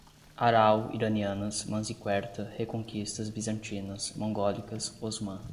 Aral, iranianas, Manziquerta, reconquistas bizantinas, mongólicas, Osmã